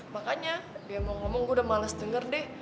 makanya dia mau ngomong gue udah males denger deh